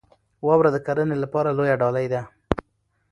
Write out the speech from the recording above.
واوره د کرنې لپاره لویه ډالۍ ده.